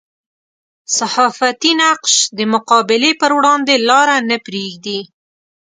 صحافتي نقش د مقابلې پر وړاندې لاره نه پرېږدي.